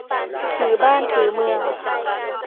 ถือบ้านถือเมือง